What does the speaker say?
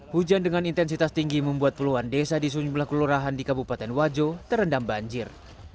hujan dengan intensitas tinggi membuat puluhan desa di sejumlah kelurahan di kabupaten wajo terendam banjir